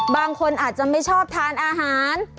บางคนอาจจะไม่ชอบทานอาหาร